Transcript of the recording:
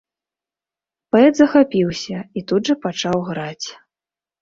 Паэт захапіўся і тут жа пачаў граць.